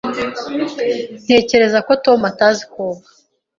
Ntekereza ko Tom atazi koga.